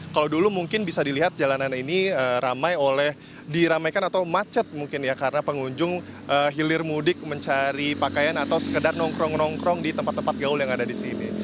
kalau dulu mungkin bisa dilihat jalanan ini ramai oleh diramaikan atau macet mungkin ya karena pengunjung hilir mudik mencari pakaian atau sekedar nongkrong nongkrong di tempat tempat gaul yang ada di sini